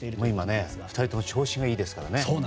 今、２人とも調子がいいですからね。